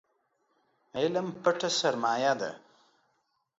علم پټه سرمايه ده